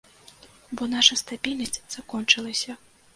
Бо наша стабільнасць закончылася.